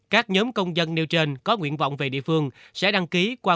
các nhóm công dân nêu trên có nguyện vọng về địa phương sẽ đăng ký qua